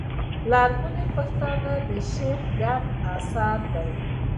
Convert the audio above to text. لرغوني پښتانه، شېخ کټه اثر دﺉ.